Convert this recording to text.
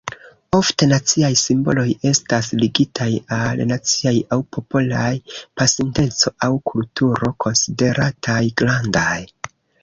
Ofte naciaj simboloj estas ligitaj al naciaj aŭ popolaj pasinteco aŭ kulturo konsiderataj "grandaj".